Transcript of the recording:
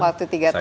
waktu tiga tahun